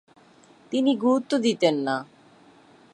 তিনি গুরুত্ব দিতেন না।